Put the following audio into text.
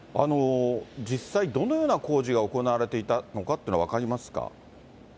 実際、どのような工事が行われていたのかっていうのは分かりますか。